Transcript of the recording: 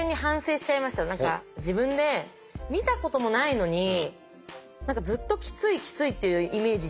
自分で見たこともないのに何かずっときついきついっていうイメージ